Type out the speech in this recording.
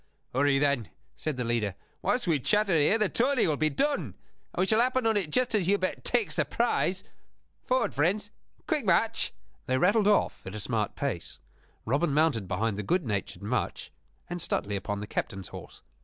"Hurry, then," said the leader. "Whilst we chatter here the tourney will be done; and we shall happen on it just as Hubert takes the prize. Forward, friends; quick march!" They rattled off at a smart pace. Robin mounted behind the good natured Much, and Stuteley upon the captain's horse.